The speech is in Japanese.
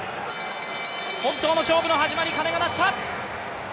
本当の勝負の始まり、鐘が鳴った。